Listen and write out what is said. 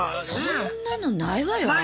そんなのないわよ